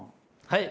はい。